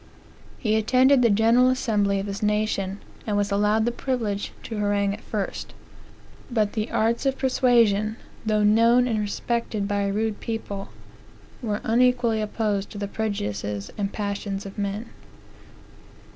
"He attended the general assembly of his nation, and was allowed the privilege to harangue it first; but the arts of persuasion, though known and respected by a rude people, were unequally opposed to the prejudices and passions of men."